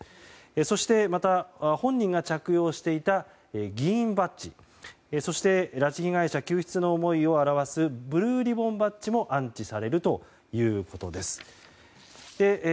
そして本人が着用していた議員バッジそして拉致被害者救出の思いを表すブルーリボンバッジも安置されるということです。